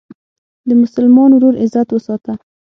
د مسلمان ورور عزت وساته.